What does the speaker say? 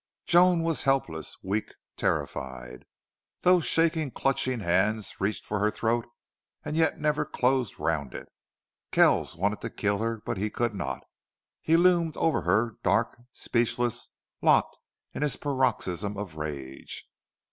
Joan was helpless, weak, terrified. Those shaking, clutching hands reached for her throat and yet never closed round it. Kells wanted to kill her, but he could not. He loomed over her, dark, speechless, locked in his paroxysm of rage.